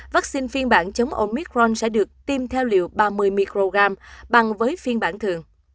vắc xin phiên bản chống omicron sẽ được tiêm theo liều ba mươi microgram bằng với phiên bản thường